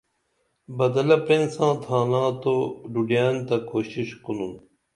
بدلہ پرین ساں تھانا تو ڈُڈین تہ کوشش کُنُن